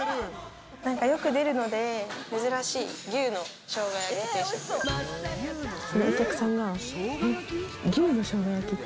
よく出るので、珍しい牛のしょうが焼き定食。